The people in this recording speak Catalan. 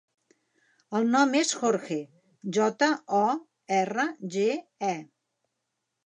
El nom és Jorge: jota, o, erra, ge, e.